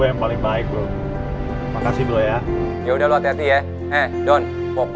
iya ini remnya plung pak